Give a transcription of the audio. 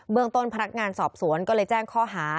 เมืองต้นพนักงานสอบสวนก็เลยแจ้งข้อหา